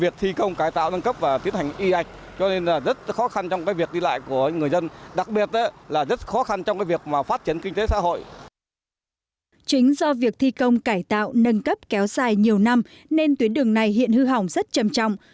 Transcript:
chính do việc thi công cải tạo nâng cấp kéo dài nhiều năm nên tuyến đường này hiện hư hỏng rất trầm trọng